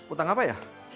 utang apa ya